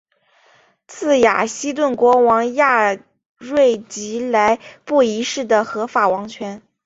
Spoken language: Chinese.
自雅西顿国王亚瑞吉来布一世的合法王权。